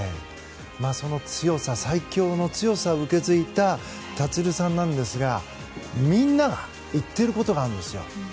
その強さ、最強の強さを受け継いだ立さんなんですがみんな言っていることがあるんですよ。